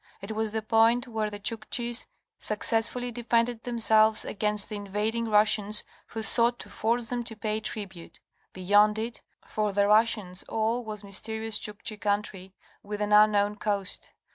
It was the point where the Chukchis successfully defended themselves against the invading Russians who sought to force them to pay tribute. Beyond it, for the Russians all was mysterious Chukchi country with an unknown coast.